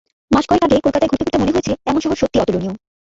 মাস কয়েক আগে কলকাতায় ঘুরতে ঘুরতে মনে হয়েছে, এমন শহর সত্যি অতুলনীয়।